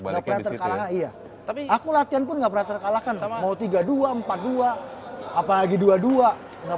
baliknya terkalah iya tapi aku latihan pun nggak pernah terkalahkan sama mau tiga ribu dua ratus empat puluh dua apalagi dua puluh dua nggak